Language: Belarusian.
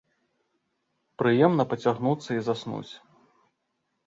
Прыемна пацягнуцца і заснуць.